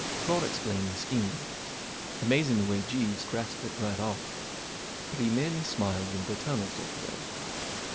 Claude explained the scheme. Amazing the way Jeeves grasped it right off. But he merely smiled in a paternal sort of way.